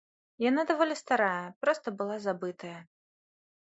Яна даволі старая, проста была забытая.